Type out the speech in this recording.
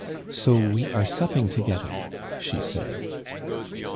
"So we are supping together!" she said.